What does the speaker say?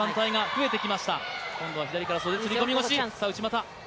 今度は左から袖釣込腰。